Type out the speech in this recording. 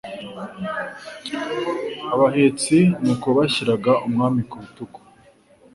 Abahetsi ni uko bashyiraga Umwami ku bitugu